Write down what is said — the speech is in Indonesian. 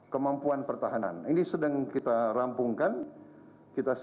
yang beliau memberi kepada kita suatu totalitas